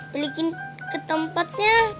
belikin ke tempatnya